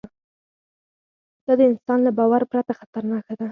دا د انسان له باور پرته خطرناکه ده.